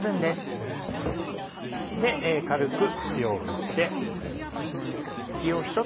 軽く塩を振って。